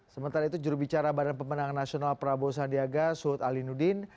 sementara itu jurubicara badan pemenang nasional prabowo sandiaga suhut ali nudin